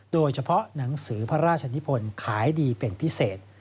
โดยเฉพาะหนังสือพระราชนิพลขายดีเป็นพิเศษ